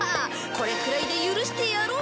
これくらいで許してやろう。